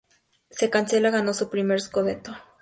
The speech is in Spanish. Casale ganó su primer "scudetto".